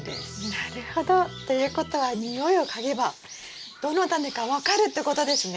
なるほど。ということはにおいを嗅げばどのタネか分かるってことですね。